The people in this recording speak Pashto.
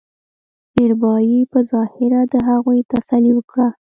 مېرمايي په ظاهره د هغوي تسلې وکړه